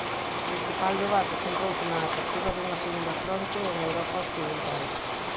O principal debate centrouse na apertura dunha segunda fronte en Europa occidental.